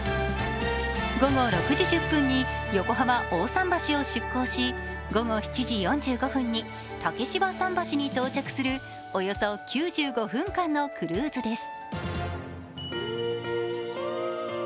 午後６時１０分に横浜・大さん橋を出港し午後７時４５分に竹芝桟橋に到着するおよそ９５分間のクルーズです。